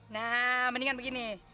nah mendingan begini